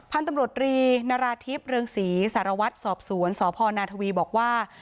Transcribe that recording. พันธุ์ตำรวจรีนาราธิบเรืองศรีสารวัตรสอบสวนสพนาทวีบอกว่า